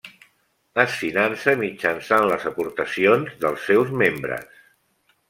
Es finança mitjançant les aportacions dels seus membres.